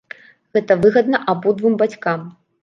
Гэта выгадна абодвум бацькам.